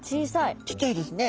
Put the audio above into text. ちっちゃいですね。